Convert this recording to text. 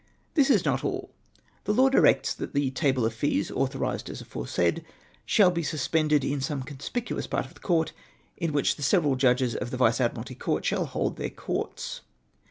This is not all ; the law directs that the ' Table of Fees, authorised as aforesaid, shall be sus pended in some conspicuous part of the Court in which the several judges of the Vice Admiralty Comt shall hold their courts.'